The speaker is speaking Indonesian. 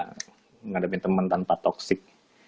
menghadapi teman tanpa toxic